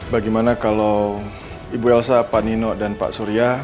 bagaimana kalau ibu elsa pak nino dan pak surya